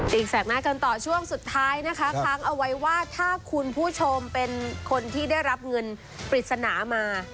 แสกหน้ากันต่อช่วงสุดท้ายนะคะค้างเอาไว้ว่าถ้าคุณผู้ชมเป็นคนที่ได้รับเงินปริศนามา